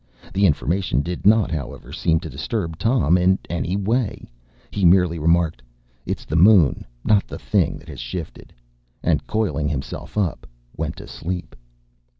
The information did not, however, seem to disturb Tom in any way. He merely remarked, “It’s the moon, not the thing, that has shifted;” and coiling himself up, went to sleep.